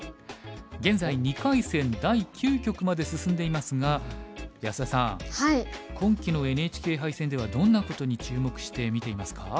現在２回戦第９局まで進んでいますが安田さん今期のＮＨＫ杯戦ではどんなことに注目して見ていますか？